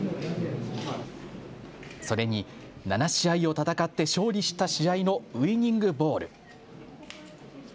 それに７試合を戦って勝利した試合のウイニングボール。